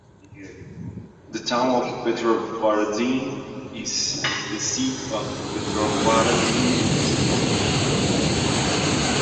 The town of Petrovaradin is the seat of Petrovaradin municipality.